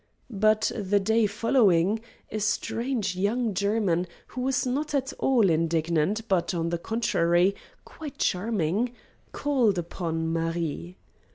But the day following a strange young German who was not at all indignant, but, on the contrary, quite charming, called upon Marie.